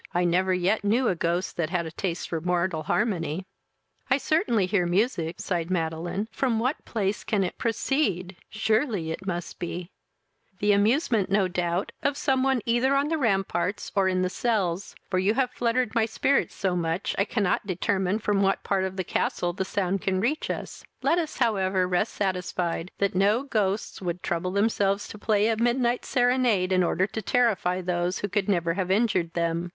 I never yet knew a ghost that had a taste for Mortal harmony." "I certainly hear music, (sighed Madeline;) from what place can it proceed? Surely it must be " "The amusement, no doubt, of some one either on the ramparts or in the cells; for you have fluttered my spirits so much, I cannot determine from what part of the castle the sound can reach us: let us, however, rest satisfied, that no ghosts would trouble themselves to play a midnight serenade in order to terrify those who could never have injured them.